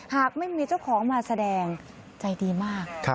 หากไม่มีเจ้าของมาแสดงใจดีมาก